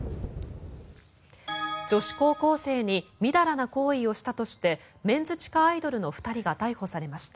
女子高校生にみだらな行為をしたとしてメンズ地下アイドルの２人が逮捕されました。